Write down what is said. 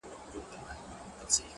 خو اوس دي گراني دا درسونه سخت كړل ـ